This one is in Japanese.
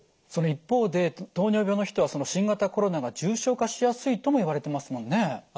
その一方で糖尿病の人はその新型コロナが重症化しやすいともいわれてますもんね。